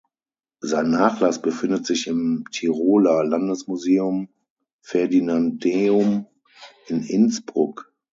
Sein Nachlass befindet sich im Tiroler Landesmuseum Ferdinandeum in Innsbruck.